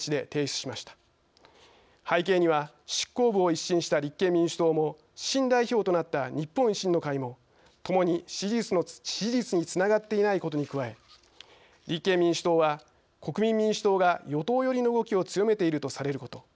背景には執行部を一新した立憲民主党も新代表となった日本維新の会も共に支持率につながっていないことに加え立憲民主党は国民民主党が与党寄りの動きを強めているとされること。